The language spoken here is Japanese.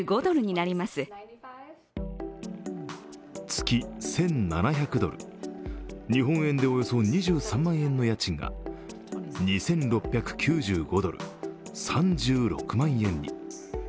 月１７００ドル、日本円でおよそ２３万円の家賃が２６９５ドル、３６万円に。